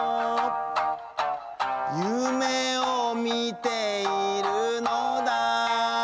「ゆめをみてゐるのだ」